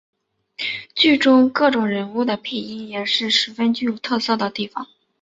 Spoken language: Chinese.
剧中各种人物的配音也是十分具有特色的地方。